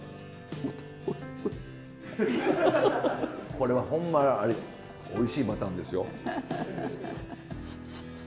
これはほんまおいしいパターンですよ。